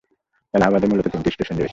এলাহাবাদ এ মূলত তিনটি স্টেশন রয়েছে।